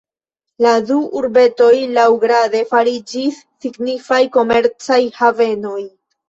La du urbetoj laŭgrade fariĝis signifaj komercaj havenoj.